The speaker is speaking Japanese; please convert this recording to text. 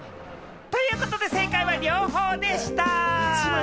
ということで、正解は両方でした。